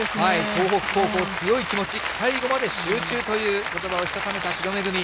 東北高校、強い気持ち、最後まで集中ということばをしたためた、木戸愛。